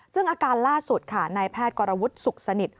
ซึ่งอาการล่าสุดค่ะนายแพทย์กรวุฒิสุขสนิท